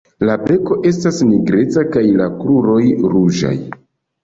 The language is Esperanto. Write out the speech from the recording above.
La beko estas nigreca kaj la kruroj ruĝaj.